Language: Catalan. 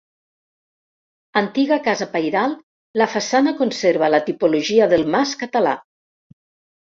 Antiga casa pairal, la façana conserva la tipologia del mas català.